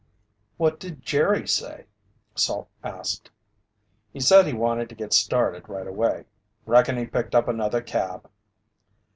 '" "What did Jerry say?" Salt asked. "He said he wanted to get started right away. Reckon he picked up another cab."